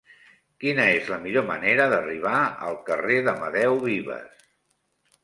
Quina és la millor manera d'arribar al carrer d'Amadeu Vives?